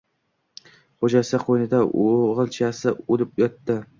Xo‘jasi qo‘yni-da o‘g‘ilchasi o‘lib yotdi.